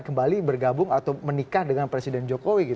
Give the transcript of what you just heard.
menikah dengan presiden jokowi